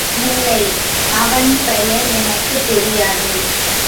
இல்லை, அவன் பெயர் எனக்குத் தெரியாது.